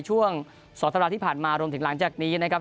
ช่วง๒สัปดาห์ที่ผ่านมารวมถึงหลังจากนี้นะครับ